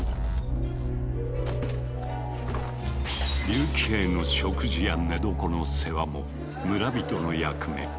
竜騎兵の食事や寝床の世話も村人の役目。